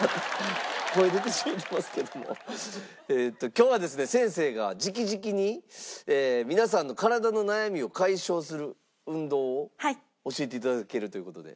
今日はですね先生が直々に皆さんの体の悩みを解消する運動を教えて頂けるという事で。